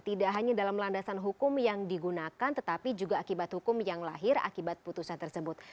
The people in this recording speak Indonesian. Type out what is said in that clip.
tidak hanya dalam landasan hukum yang digunakan tetapi juga akibat hukum yang lahir akibat putusan tersebut